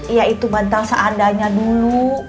ya itu bantal seandainya dulu